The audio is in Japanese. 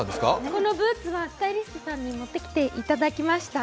このブーツはスタイリストさんに持ってきていただきました。